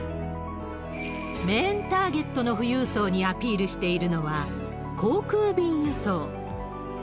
メインターゲットの富裕層にアピールしているのは、航空便輸送。